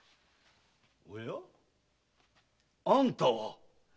おやあんたは。